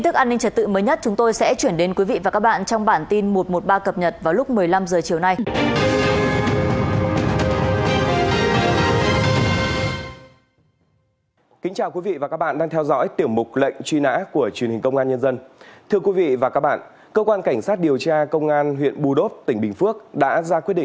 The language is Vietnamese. cảm ơn các bạn đã theo dõi và hẹn gặp lại